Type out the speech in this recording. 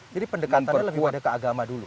jadi pendekatannya lebih pada keagama dulu